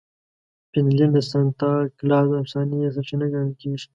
فنلنډ د سانتا کلاز د افسانې سرچینه ګڼل کیږي.